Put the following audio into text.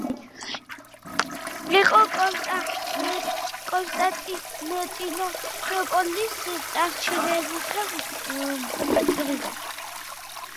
იყო კონსტანტინოპოლის წარჩინებულთა წრიდან.